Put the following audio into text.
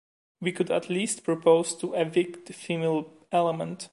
We could at least propose to evict the female element.